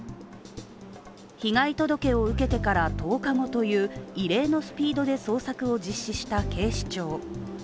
被害届を受けてから１０日後という異例のスピードで捜索を実施した警視庁。